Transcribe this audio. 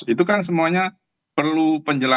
itu kan semuanya perlu penjelasan